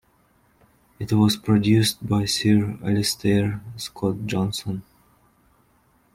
It was produced by Sir Alistair Scott-Johnston.